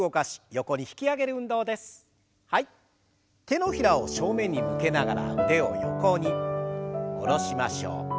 手のひらを正面に向けながら腕を横に下ろしましょう。